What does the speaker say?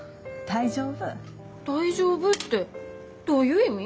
大丈夫ってどういう意味？